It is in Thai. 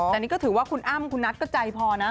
แต่นี่ก็ถือว่าคุณอ้ำคุณนัทก็ใจพอนะ